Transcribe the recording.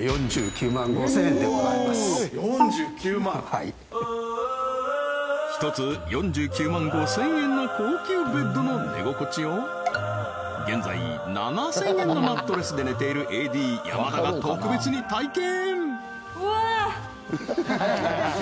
はい１つ４９万５０００円の高級ベッドの寝心地を現在７０００円のマットレスで寝ているＡＤ山田が特別に体験